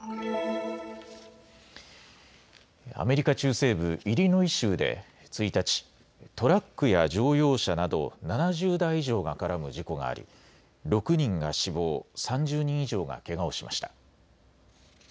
アメリカ中西部イリノイ州で１日、トラックや乗用車など７０台以上が絡む事故があり６人が死亡、３０人以上がけがをしました。